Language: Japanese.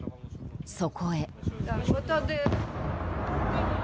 そこへ。